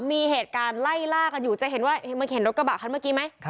มีเหตุการณ์ไล่ล่ากันอยู่จะเห็นว่ามันเห็นรถกระบะคันเมื่อกี้ไหม